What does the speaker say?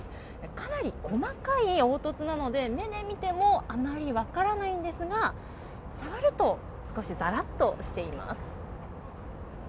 かなり細かい凹凸なので目で見てもあまり分からないですがさわると少しざらっとしています。